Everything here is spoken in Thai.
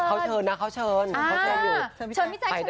เขาเชิญนะเขาเชิญอยู่